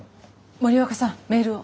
森若さんメールを。